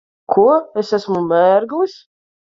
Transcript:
Ko? Es esmu mērglis?